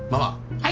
はい。